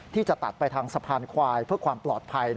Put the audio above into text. ที่จะตัดไปทางสะพานควายเพื่อความปลอดภัย